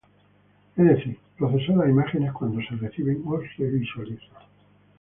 Es decir, procesar las imágenes cuando se reciben o se visualizan.